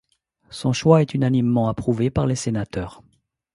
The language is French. Son choix est unanimement approuvé par les sénateurs.